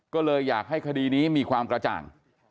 ก็เลยอยากให้คดีนี้มีความกระจ่าง